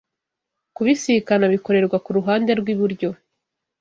Kubisikana bikorerwa ku ruhande rw'iburyo